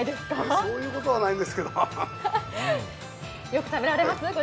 そういうことはないんですけどご自身もよく食べられます？